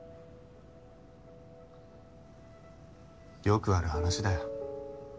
よくある話だよ。